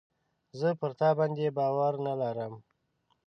زه پر تا باندي باور نه لرم .